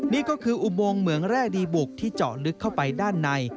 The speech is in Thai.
นี่ก็คืออุโมงเหมืองแร่ดีบุกที่เจาะลึกเข้าไปด้านใน